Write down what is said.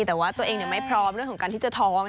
แต่ว่าตัวเองไม่พร้อมเรื่องของการที่จะท้อง